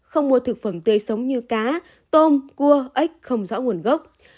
không mua thực phẩm tươi sống như cá tôm cua ếch không rõ nguồn gốc